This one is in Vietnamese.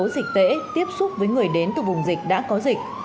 để tiếp xúc với người đến từ vùng dịch đã có dịch